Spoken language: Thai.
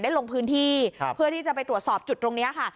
ลงพื้นที่เพื่อที่จะไปตรวจสอบจุดตรงนี้ค่ะ